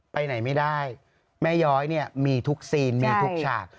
ไปไหนไม่ได้แม่ย้อยเนี่ยมีทุกซีนมีทุกฉาก